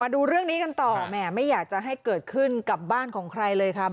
ดูเรื่องนี้กันต่อแหมไม่อยากจะให้เกิดขึ้นกับบ้านของใครเลยครับ